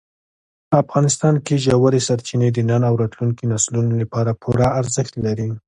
افغانستان کې ژورې سرچینې د نن او راتلونکي نسلونو لپاره پوره ارزښت لري.